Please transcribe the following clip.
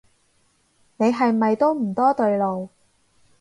你係咪都唔多對路